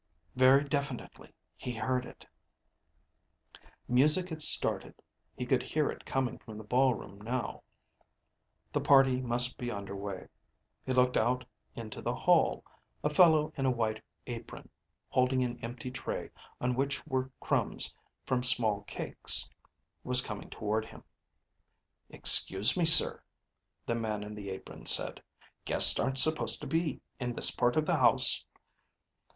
Very definitely he heard it Music had started. He could hear it coming from the ballroom now. The party must be under way. He looked out into the hall. A fellow in a white apron, holding an empty tray on which were crumbs from small cakes, was coming toward him. "Excuse me, sir," the man in the apron said. "Guests aren't supposed to be in this part of the house."